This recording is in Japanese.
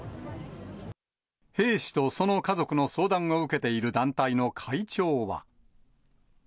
兵士とその家族の相談を受けている団体の会長は。